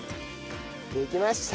できました！